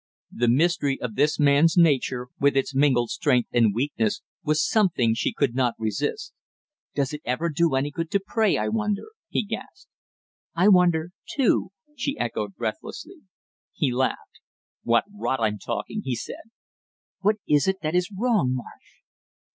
The mystery of his man's nature, with its mingled strength and weakness, was something she could not resist. "Does it ever do any good to pray, I wonder?" he gasped. "I wonder, too!" she echoed breathlessly. He laughed. "What rot I'm talking!" he said. "What is it that is wrong, Marsh?"